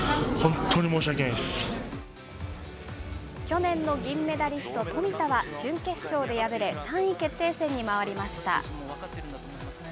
去年の銀メダリスト、冨田は準決勝で敗れ、３位決定戦に回りました。